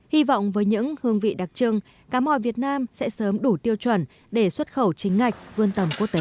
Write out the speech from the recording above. hy vọng với những hương vị đặc trưng cá mò việt nam sẽ sớm đủ tiêu chuẩn để xuất khẩu chính ngạch vươn tầm quốc tế